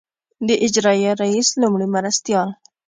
د اجرائیه رییس لومړي مرستیال.